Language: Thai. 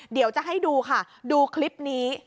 เดี๋ยวจะให้ดูค่ะดูคลิปนี้